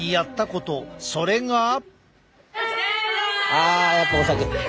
あやっぱお酒。